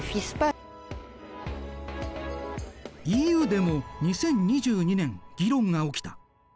ＥＵでも２０２２年議論が起きた。